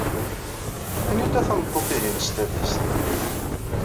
Anita tameṭṭut-ihin s tadist?